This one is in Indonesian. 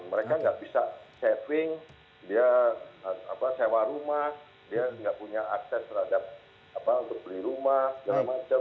mereka nggak bisa saving dia sewa rumah dia nggak punya akses terhadap untuk beli rumah segala macam